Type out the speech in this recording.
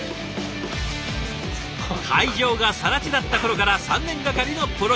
会場がさら地だった頃から３年がかりのプロジェクト。